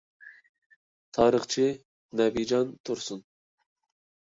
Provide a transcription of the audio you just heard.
تارىخچى نەبىجان تۇرسۇن.